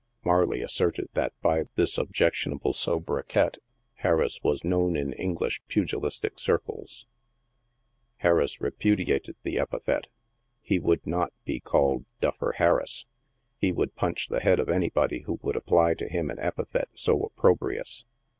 Marley asserted that by this objectionable sobriquet Harris was known in English pugilistic circles. Harris repu diated the epithet. He would not be called "Duffer" Harris. _ He would punch the head of anybody who would apply to him an epithet so opprobrious.